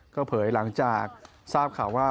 ก็เผยหลังจากทราบข่าวว่า